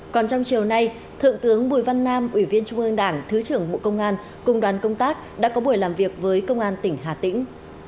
còn trong chiều nay thượng tướng bùi văn nam ủy viên trung ương đảng thứ trưởng bộ công an cùng đoàn công tác đã có buổi làm việc với công an tỉnh hà tĩnh